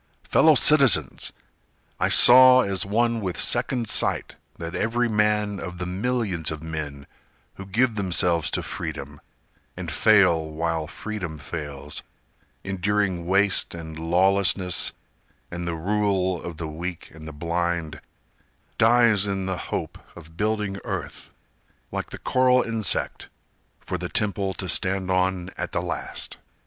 Fellow citizens! I saw as one with second sight That every man of the millions of men Who give themselves to Freedom, And fail while Freedom fails, Enduring waste and lawlessness, And the rule of the weak and the blind, Dies in the hope of building earth, Like the coral insect, for the temple To stand on at the last.